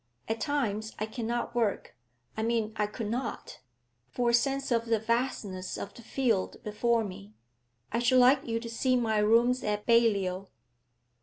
At times I cannot work I mean, I could not for a sense of the vastness of the field before me. I should like you to see my rooms at Balliol.